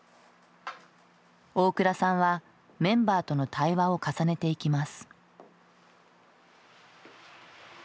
大倉さんはメンバーとの対話を重ねていきます。